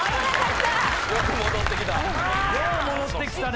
よく戻ってきた。